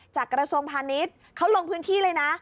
กระทรวงพาณิชย์เขาลงพื้นที่เลยนะ